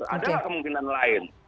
ada kemungkinan lain